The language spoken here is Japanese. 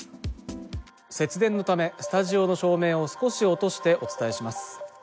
節電のためスタジオの照明を少し落としてお伝えします。